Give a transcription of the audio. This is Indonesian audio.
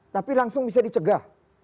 tapi langsung bisa dicegah